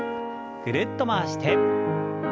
ぐるっと回して。